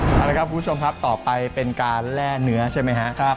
เอาละครับคุณผู้ชมครับต่อไปเป็นการแร่เนื้อใช่ไหมครับ